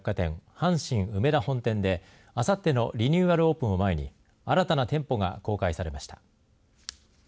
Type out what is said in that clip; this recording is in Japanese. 阪神梅田本店であさってのリニューアルオープンを前に新たな店舗が公開されました。